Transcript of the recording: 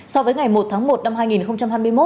so với ngày một tháng một năm hai nghìn hai mươi một